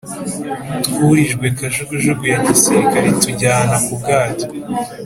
Twurijwe kajugujugu ya gisirikare itujyana ku bwato